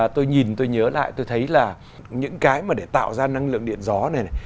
tôi nhìn tôi nhớ lại tôi thấy là những cái mà để tạo ra năng lượng điện gió này này